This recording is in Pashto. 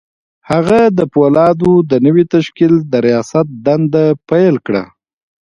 هغه د پولادو د نوي تشکیل د رياست دنده پیل کړه